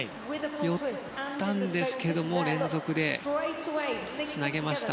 寄ったんですが、連続でつなげました。